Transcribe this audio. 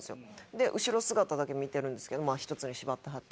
で後ろ姿だけ見てるんですけどまあ１つに縛ってはって。